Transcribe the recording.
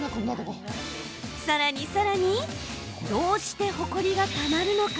さらにさらにどうして、ほこりがたまるのか。